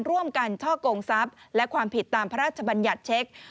ร่วมกันช่อกงทรัพย์และความผิดตามพระราชบัญญัติเช็ค